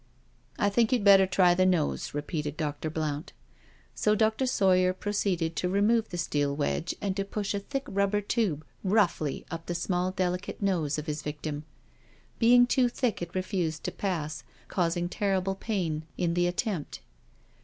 " I think you'd better try the nose," repeated Dr. Blount. So Dr. Sawyer proceeded to remove the steel wedj^e and to push a thick rubber tube roughly up the small delicate nose of his victim. Being too thick it refused to pass, causing terrible pain in the attempt.